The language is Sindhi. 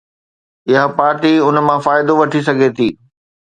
اها پارٽي ان مان فائدو وٺي سگهي ٿي